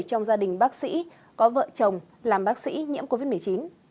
trong gia đình bác sĩ có vợ chồng làm bác sĩ nhiễm covid một mươi chín